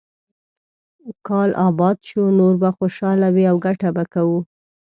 کال اباد شو، نور به خوشاله وي او ګټه به کوو.